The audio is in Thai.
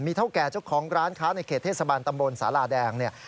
เท่าแก่เจ้าของร้านค้าในเขตเทศบาลตำบลสาลาแดงเนี่ย